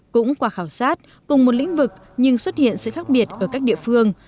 cũng qua khảo sát cùng một lĩnh vực nhưng xuất hiện sự khác biệt ở các địa phương